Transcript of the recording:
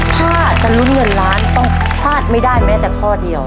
ถ้าจะลุ้นเงินล้านต้องพลาดไม่ได้แม้แต่ข้อเดียว